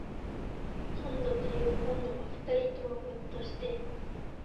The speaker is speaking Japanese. こんどというこんどは二人ともぎょっとして